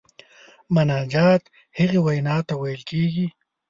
مناجات هغې وینا ته ویل کیږي.